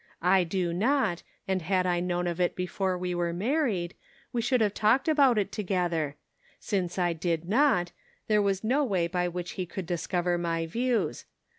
I do not, and had I known of it before we were married, we should have talked about it together ; since "Yet Lackert Thou ." 167 I did not, there was no way by which he could discover my views.